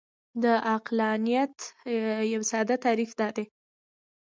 د عقلانیت یو ساده تعریف دا دی.